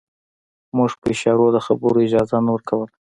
موږ په اشارو د خبرو اجازه نه ورکوله.